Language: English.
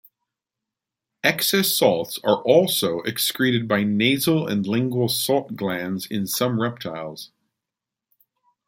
Excess salts are also excreted by nasal and lingual salt glands in some reptiles.